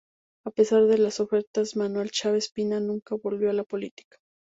A pesar de las ofertas de Manuel Chaves, Pina nunca volvió a la política.